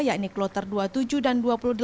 yakni kloter dua puluh tujuh dan dua puluh delapan